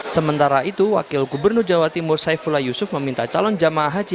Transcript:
sementara itu wakil gubernur jawa timur saifullah yusuf meminta calon jemaah haji